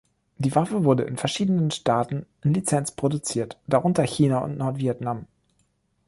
Die Waffe wurde in verschiedenen Staaten in Lizenz produziert, darunter China und Nordvietnam.